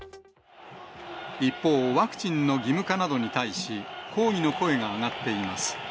一方、ワクチンの義務化などに対し、抗議の声が上がっています。